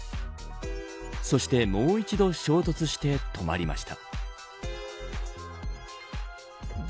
そして、もう一度衝突して止まりました。